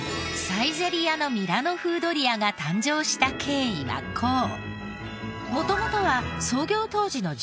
サイゼリヤのミラノ風ドリアが誕生した経緯はこう。